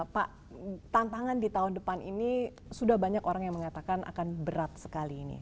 pak tantangan di tahun depan ini sudah banyak orang yang mengatakan akan berat sekali ini